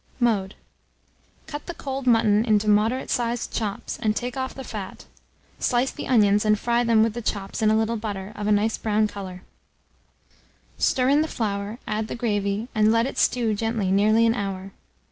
Mode. Cut the cold mutton into moderate sized chops, and take off the fat; slice the onions, and fry them with the chops, in a little butter, of a nice brown colour; stir in the flour, add the gravy, and let it stew gently nearly an hour.